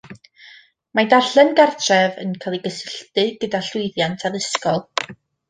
Mae darllen gartref yn cael ei gysylltu gyda llwyddiant addysgol